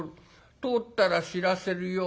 通ったら知らせるように。